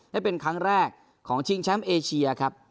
ได้เป็นครั้งแรกของชิงแชมป์เอเชียครับ